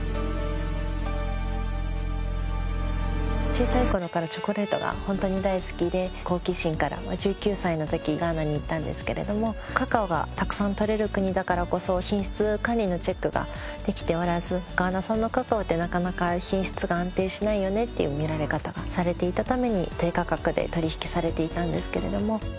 小さい頃からチョコレートがホントに大好きで好奇心から１９歳の時にガーナに行ったんですけれどもカカオがたくさんとれる国だからこそ品質管理のチェックができておらずガーナ産のカカオってなかなか品質が安定しないよねっていう見られ方をされていたために低価格で取引されていたんですけれども。